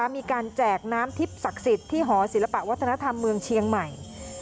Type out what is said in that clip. แจกน้ำทิพย์ศักดิ์สิทธิ์ที่หอศิลปะวัฒนธรรมเมืองเชียงใหม่